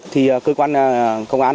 thì cơ quan công an